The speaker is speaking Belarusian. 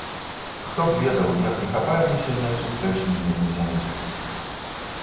Хто б ведаў, як не хапае мне сёння сустрэч з імі на зямлі!